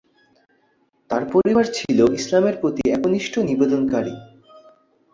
তার পরিবার ছিলো ইসলামের প্রতি একনিষ্ঠ নিবেদনকারী।